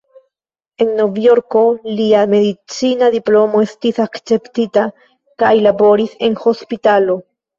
En Novjorko lia medicina diplomo estis akceptita kaj laboris en hospitalo.